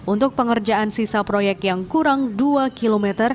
untuk pengerjaan sisa proyek yang kurang dua km